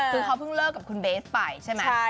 คือเขาเพิ่งเลิกกับคุณเบสไปใช่ไหม